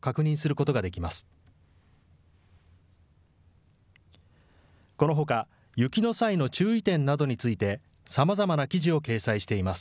このほか、雪の際の注意点などについて、さまざまな記事を掲載しています。